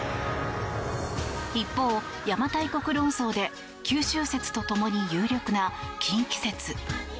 一方、邪馬台国論争で九州説と共に有力な近畿説。